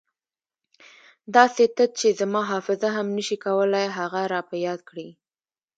داسې تت چې زما حافظه هم نه شي کولای هغه را په یاد کړي.